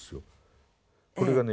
これがね